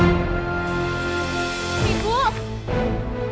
ibu pountain bu